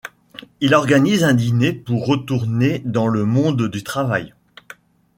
Il organise un dîner pour retourner dans le monde du travail.